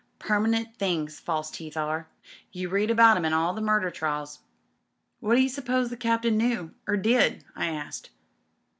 "Permanent things false teeth are. You read about 'em in all the murder trials." "What d'you suppose the captain knew — or did?" I asked.